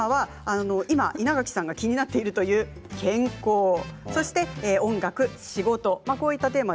稲垣さんが今気になっているという健康、音楽、仕事です。